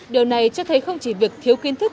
điều này cho thấy không chỉ việc thiếu kiến thức